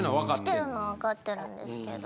来てるのはわかってるんですけど。